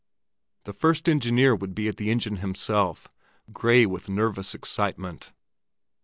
The first engineer would be at the engine himself, gray with nervous excitement.